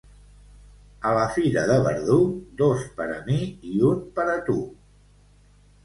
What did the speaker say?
A la fira de Verdú, dos per a mi i un per a tu.